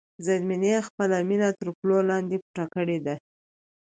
زرمینې خپله مینه تر پلو لاندې پټه کړې ده.